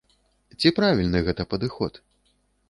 Ці правільны гэта падыход?